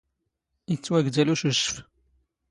ⵉⵜⵜⵡⴰⴳⴷⴰⵍ ⵓⵛⵓⵛⴼ.